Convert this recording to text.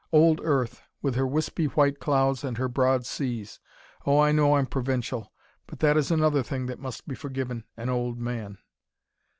Old Earth, with her wispy white clouds and her broad seas Oh, I know I'm provincial, but that is another thing that must be forgiven an old man.